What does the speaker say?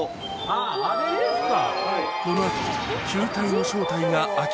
あぁあれですか。